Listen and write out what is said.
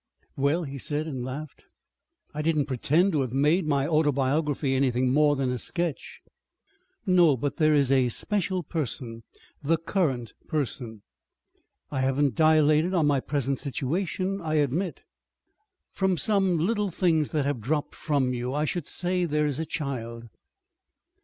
"Well," he said and laughed. "I didn't pretend to have made my autobiography anything more than a sketch." "No, but there is a special person, the current person." "I haven't dilated on my present situation, I admit." "From some little things that have dropped from you, I should say there is a child."